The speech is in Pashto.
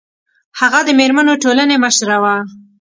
هغه د میرمنو ټولنې مشره وه